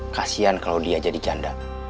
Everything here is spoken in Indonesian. kasian kalau dia jadi janda